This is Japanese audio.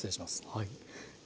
はい。